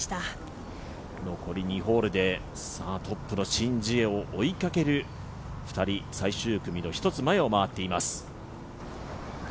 残り２ホールでトップのシン・ジエを追いかける２人、最終組の１つ前を回っています。